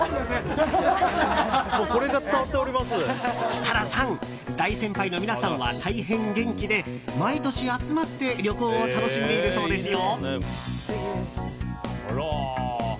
設楽さん、大先輩の皆さんは大変お元気で毎年集まって旅行を楽しんでいるそうですよ。